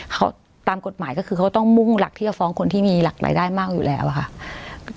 เขาตามกฎหมายก็คือเขาต้องมุ่งหลักที่จะฟ้องคนที่มีหลักรายได้มากอยู่แล้วอะค่ะ